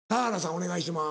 お願いします。